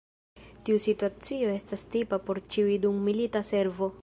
Tiu situacio estas tipa por ĉiuj dum milita servo.